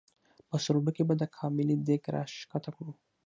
په سروبي کې به د قابلي دیګ را ښکته کړو؟